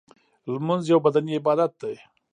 لمونځ یو بدنی عبادت دی .